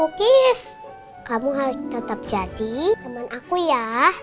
kukis kamu harus tetap jadi teman aku ya